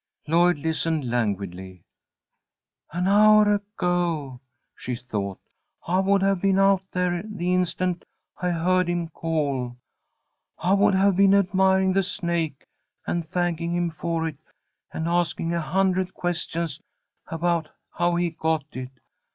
Lloyd listened, languidly. "An hour ago," she thought, "I would have been out there the instant I heard him call. I would have been admiring the snake and thanking him for it and asking a hundred questions about how he got it.